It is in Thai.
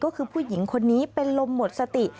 ก็คือผู้หญิงคนนี้เป็นลมหมดสติ